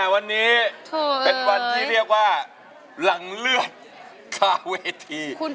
วันนี้เป็นวันที่เรียกว่าหลังเลือดคาเวที